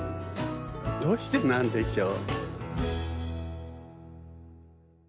どうしてなんでしょう？